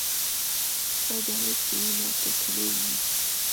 ستا جامې په وينو ککړې وې.